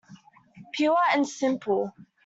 Pure and simple.